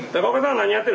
何やってる？